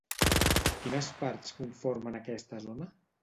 Quines parts conformen aquesta zona?